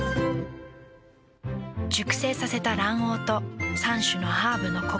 熟成させた卵黄と３種のハーブのコクとうま味。